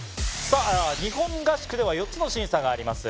日本合宿では４つの審査があります。